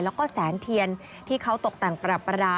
แล้วก็แสงเทียนที่เขาตกแต่งปรับปราดา